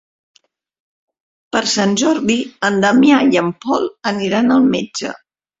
Per Sant Jordi en Damià i en Pol aniran al metge.